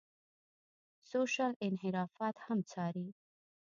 سوشل انحرافات هم څاري.